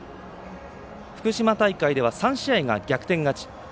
福島大会では３試合が逆転勝ち。